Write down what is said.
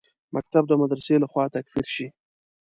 مکتب د مدرسې لخوا تکفیر شي.